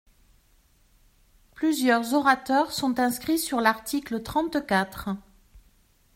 Plusieurs orateurs sont inscrits sur l’article trente-quatre.